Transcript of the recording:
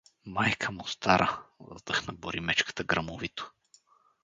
Майка му стара — въздъхна Боримечката гръмовито.